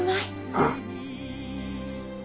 ああ。